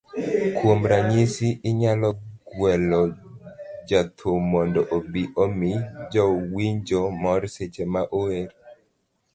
Kuom ranyisi, inyalo gwelo jathum mondo obi omi jowinjo mor seche ma ower